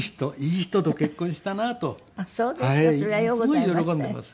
すごい喜んでいます。